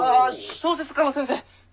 小説家の先生。